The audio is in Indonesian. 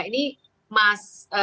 ini mas mawar